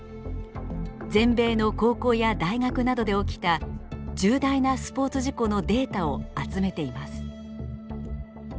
全米の高校や大学などで起きた重大なスポーツ事故のデータを集めています。